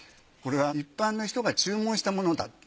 これは一般の人が注文したものだ。